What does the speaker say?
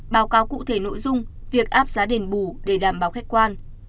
báo cáo cụ thể nội dung việc áp giá đền bù để đảm bảo khách quan